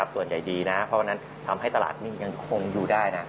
ส่วนใหญ่ดีนะเพราะวันนั้นทำให้ตลาดนี้ยังคงอยู่ได้นะ